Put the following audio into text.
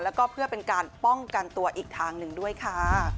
แล้วก็เพื่อเป็นการป้องกันตัวอีกทางหนึ่งด้วยค่ะ